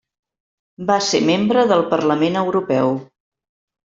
Va ser membre del Parlament Europeu.